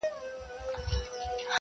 د سومنات او پاني پټ او میوندونو کیسې؛